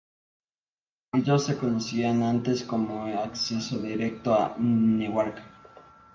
Ellos se conocían antes como acceso directo a Newark.